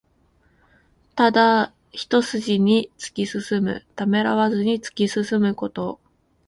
ただ一すじに突き進む。ためらわずに突き進むこと。